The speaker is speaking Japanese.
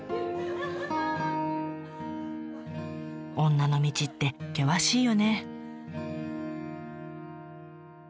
女の道って険しいよね。